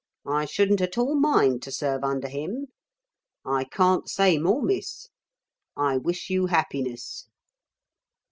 I shouldn't at all mind to serve under him. I can't say more, Miss. I wish you happiness."